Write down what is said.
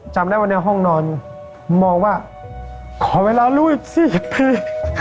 จำได้ว่าในห้องนอนมองว่าขอเวลาลูกอีก๔๐ปี